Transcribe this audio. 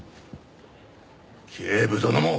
警部殿も！